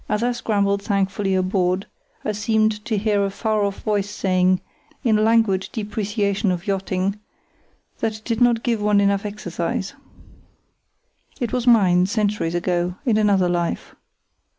As I scrambled thankfully aboard, I seemed to hear a far off voice saying, in languid depreciation of yachting, that it did not give one enough exercise. It was mine, centuries ago, in another life.